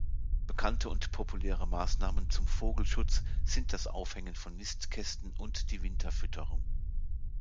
Bekannte und populäre Maßnahmen zum Vogelschutz sind das Aufhängen von Nistkästen und die Winterfütterung.